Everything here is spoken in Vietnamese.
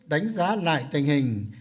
đánh giá lại tình hình